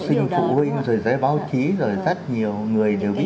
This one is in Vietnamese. vâng học sinh phụ huynh rồi giới báo chí rồi rất nhiều người đều biết